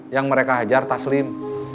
yang mereka hajar taslim